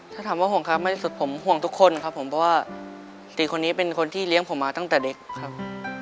ถ้าถามว่าห่วงครับมากที่สุดผมห่วงทุกคนครับผมเพราะว่าตีคนนี้เป็นคนที่เลี้ยงผมมาตั้งแต่เด็กครับ